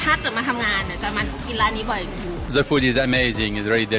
ถ้าเกิดมาทำงานอ่ะจะมากินร้านนี้บ่อย